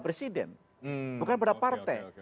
presiden bukan pada partai